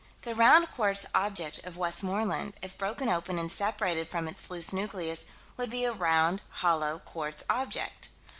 The round quartz object of Westmoreland, if broken open and separated from its loose nucleus, would be a round, hollow, quartz object.